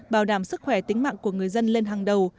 bảo đảm sức khỏe tính mạng của người dân lên hàng đầu